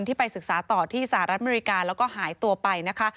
ไปศึกษาต่อที่สหรัฐอเมริกาแล้วก็หายตัวไปนะคะ